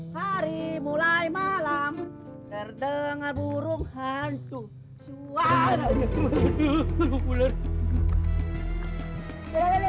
hari mulai malam terdengar burung hantu suara